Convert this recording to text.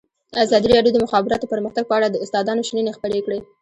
ازادي راډیو د د مخابراتو پرمختګ په اړه د استادانو شننې خپرې کړي.